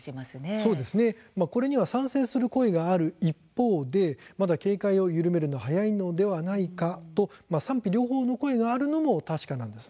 そうですね、これには賛成する声がある一方でまだ警戒を緩めるのが早いのではないかと賛否両方の声があるのも確かなんです。